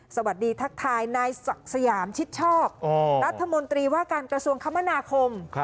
สวัสดีทักทายนายศักดิ์สยามชิดชอบรัฐมนตรีว่าการกระทรวงคมนาคม